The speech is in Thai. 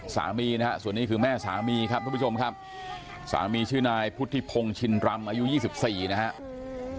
สามีนะฮะส่วนนี้คือแม่สามีครับทุกผู้ชมครับสามีชื่อนายพุทธิพงศ์ชินรำอายุ๒๔นะครับ